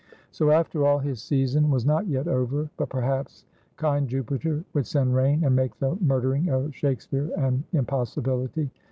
So, after all, his "season" was not yet over. But perhaps kind Jupiter would send rain, and make the murdering of Shakespeare an impossibility.